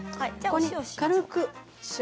ここに軽く塩。